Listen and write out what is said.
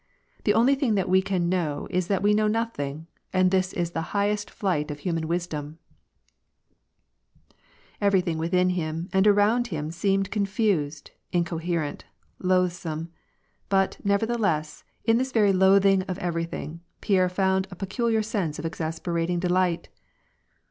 *^ The only thing that we can know is that we know nothing, and this is the highest flight of liuman wis dom !" Everything within him and around him seemed confused, incoherent, loathsome. But, nevertheless, in this very loath ing of everything, Pierre found a peculiar sense of exasper ating delight.